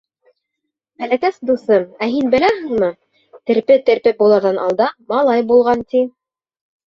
Бәләкәс дуҫым, ә һин беләһеңме, терпе терпе булырҙан алда малай булған, ти.